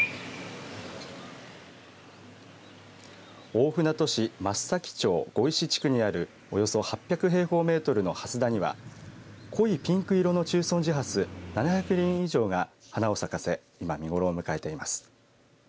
大船渡市末崎町碁石地区にあるおよそ８００平方メートルの蓮田には濃いピンク色の中尊寺ハス７００輪以上が花を咲かせ今、見頃を迎えています。